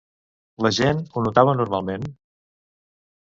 La gent ho notava normalment?